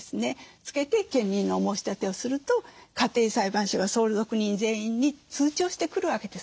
つけて検認の申し立てをすると家庭裁判所が相続人全員に通知をしてくるわけです。